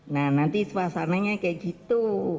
nah nanti suasananya kayak gitu